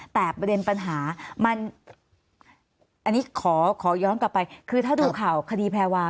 แต่ประเด็นปัญหามันอันนี้ขอย้อนกลับไปคือถ้าดูข่าวคดีแพรวา